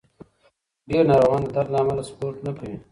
ډېر ناروغان د درد له امله سپورت نه کوي.